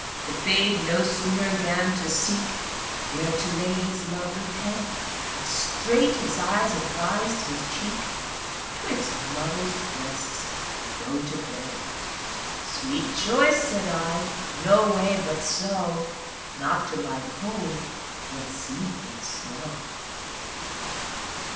Tityrus. The babe no sooner 'gan to seek Where to lay his lovely head, But straight his eyes advis'd his cheek, 'Twixt mother's breasts to go to bed. Sweet choice (said I) no way but so, Not to lie cold, yet sleep in snow.